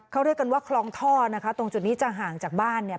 เขาเรียกกันว่าคลองท่อนะคะตรงจุดนี้จะห่างจากบ้านเนี่ย